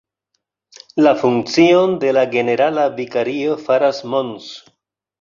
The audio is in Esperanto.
La funkcion de la generala vikario faras Mons.